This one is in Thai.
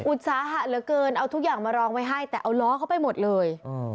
อุตสาหะเหลือเกินเอาทุกอย่างมารองไว้ให้แต่เอาล้อเข้าไปหมดเลย